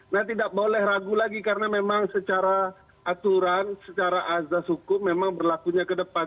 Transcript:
nah tidak boleh ragu lagi karena memang secara aturan secara azas hukum memang berlakunya ke depan